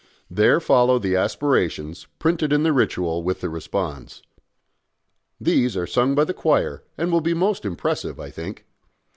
There follow the Aspirations printed in the ritual with the responds. These are sung by the choir, and will be most impressive, I think.